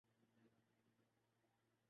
Referendum کروا لیں۔